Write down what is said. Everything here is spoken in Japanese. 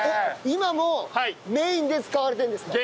今もメインで使われてるんですか？